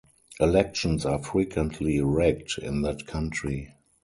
Elections are frequently rigged in that country.